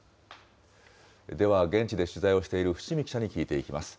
では現地で取材をしている伏見記者に聞いていきます。